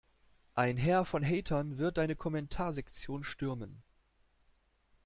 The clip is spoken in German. Ein Heer von Hatern wird deine Kommentarsektion stürmen.